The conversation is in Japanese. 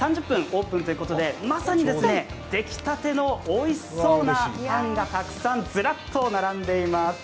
オープンということで、まさに出来たてのおいしそうなパンがたくさん、ずらっと並んでいます。